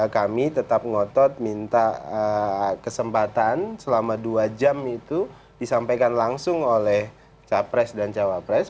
kami tetap ngotot minta kesempatan selama dua jam itu disampaikan langsung oleh capres dan cawapres